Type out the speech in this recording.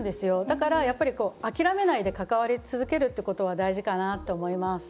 だから、やっぱり諦めないで関わり続けるってことは大事かなって思います。